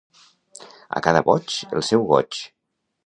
A cada boig, el seu goig.